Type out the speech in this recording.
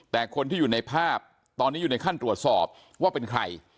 แต่คนที่อยู่ในภาพตอนนี้อยู่ในขั้นตรวจสอบว่าเป็นใคร